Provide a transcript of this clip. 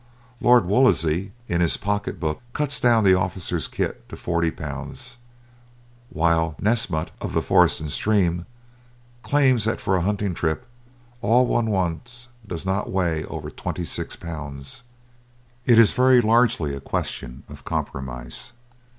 Lord Wolseley, in his "Pocketbook," cuts down the officer's kit to forty pounds, while "Nessmut," of the Forest and Stream, claims that for a hunting trip, all one wants does not weigh over twenty six pounds. It is very largely a question of compromise.